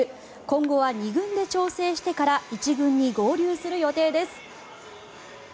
今後は２軍で調整してから１軍に合流する予定です。